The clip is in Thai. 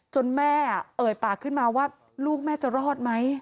แม่เอ่ยปากขึ้นมาว่าลูกแม่จะรอดไหม